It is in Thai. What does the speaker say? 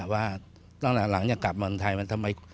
ว่าตั้งแต่หลังจากกลับมาทำไม